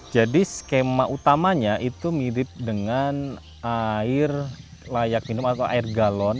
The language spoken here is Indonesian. jadi skema utamanya itu mirip dengan air layak minum atau air galon